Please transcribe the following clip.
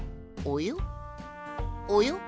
およ？